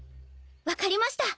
分かりました。